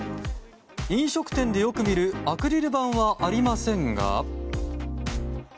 飲食店でよく見るアクリル板はありませんが。